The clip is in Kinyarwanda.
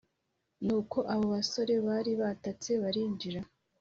nuko abo basore bari batatse barinjira